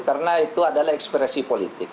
karena itu adalah ekspresi politik